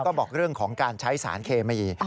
ก็บอกเรื่องของการใช้สารเคมี